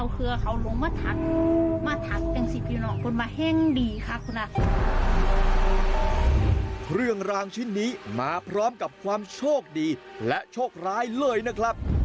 เรื่องราวชิ้นนี้มาพร้อมกับความโชคดีและโชคร้ายเลยนะครับ